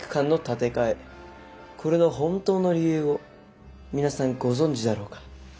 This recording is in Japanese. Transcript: これの本当の理由を皆さんご存じだろうか。